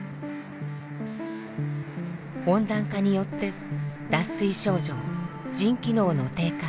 温暖化によって脱水症状腎機能の低下